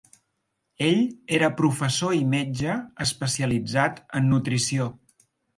Ell era professor i metge especialitzat en nutrició.